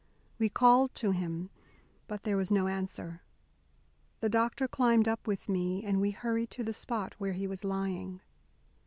We called to him but there was no answer. The doctor climbed up with me, and we hurried to the spot where he was lying.